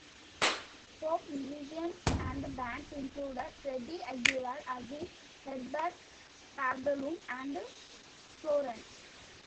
Folk musicians and bands included Freddie Aguilar, Asin, Heber Bartolome and Florante.